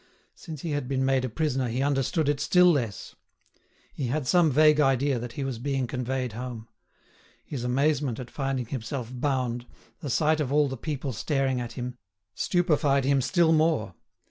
Since he had been made a prisoner he understood it still less. He had some vague idea that he was being conveyed home. His amazement at finding himself bound, the sight of all the people staring at him, stupefied him still more.